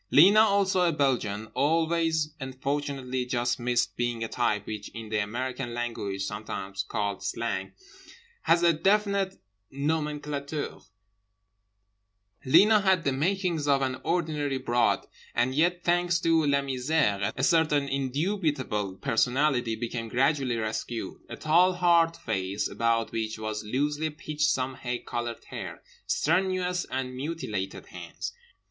Lena, also a Belgian, always and fortunately just missed being a type which in the American language (sometimes called "Slang") has a definite nomenclature. Lena had the makings of an ordinary broad, and yet, thanks to La Misère, a certain indubitable personality became gradually rescued. A tall hard face about which was loosely pitched some hay coloured hair. Strenuous and mutilated hands.